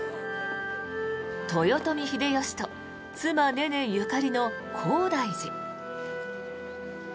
豊臣秀吉と妻・ねねゆかりの高台寺。